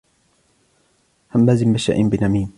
هماز مشاء بنميم